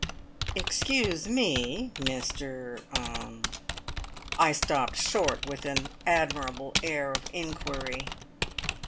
"Excuse me, Mr er " I stopped short with an admirable air of inquiry.